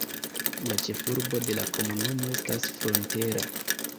La ĉefurbo de la komunumo estas Frontera.